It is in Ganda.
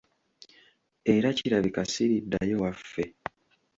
Era kirabika siriddayo waffe.